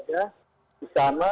ada di sana